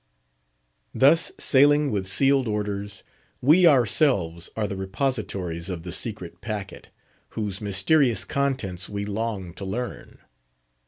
Thus sailing with sealed orders, we ourselves are the repositories of the secret packet, whose mysterious contents we long to learn.